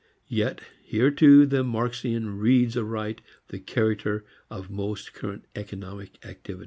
Yet here too the Marxian reads aright the character of most current economic activity.